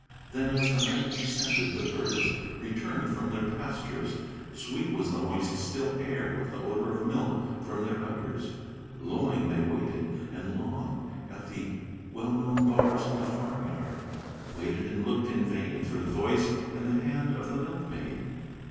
Then, as the night descended, the herds returned from their pastures; Sweet was the moist still air with the odor of milk from their udders; Lowing they waited, and long, at the well known bars of the farm yard, Waited and looked in vain for the voice and the hand of the milk maid.